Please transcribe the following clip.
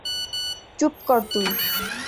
চুপ কর তুই!